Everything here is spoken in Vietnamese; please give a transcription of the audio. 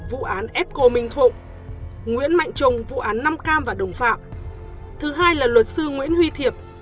vụ án ép cô minh thụng nguyễn mạnh trùng vụ án năm cam và đồng phạm thứ hai là luật sư nguyễn huy thiệp